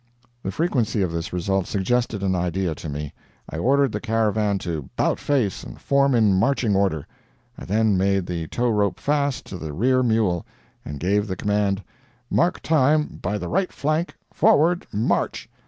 The frequency of this result suggested an idea to me. I ordered the caravan to 'bout face and form in marching order; I then made the tow rope fast to the rear mule, and gave the command: "Mark time by the right flank forward march!"